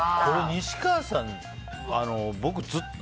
西川さん、僕ずっと。